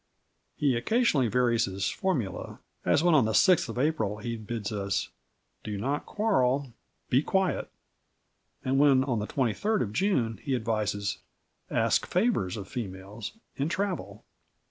He occasionally varies his formula, as when on the 6th of April he bids us: "Do not quarrel. Be quiet," and when, on the 23rd of June, he advises: "Ask favours of females, and travel."